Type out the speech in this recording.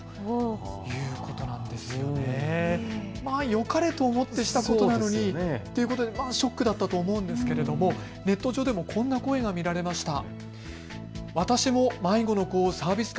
よかれと思ってしたことですが、ショックだったと思うんですけどネット上でもこんな声が見られました。